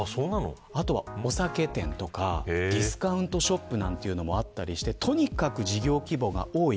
あとは、お酒店とかディスカウントショップなんていうのもあったりしてとにかく事業規模が多い。